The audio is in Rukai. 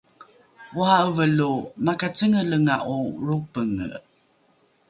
ora’eve lo makacengelenga’o lropenge